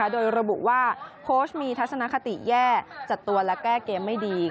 โดยระบุว่าโค้ชมีทัศนคติแย่จัดตัวและแก้เกมไม่ดี